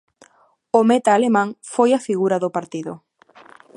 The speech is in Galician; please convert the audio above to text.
O meta alemán foi a figura do partido.